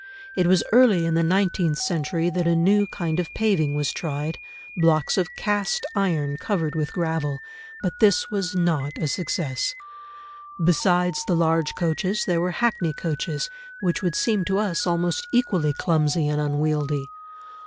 It was early in the nineteenth century that a new kind of paving was tried, blocks of cast iron covered with gravel, but this was not a success. Besides the large coaches there were hackney coaches, which would seem to us almost equally clumsy and unwieldy.